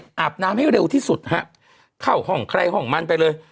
อาบน้ำให้เร็วที่สุดฮะเข้าห้องใครห้องมันไปเลย